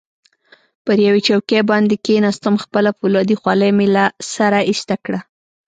پر یوې چوکۍ باندې کښېناستم، خپله فولادي خولۍ مې له سره ایسته کړه.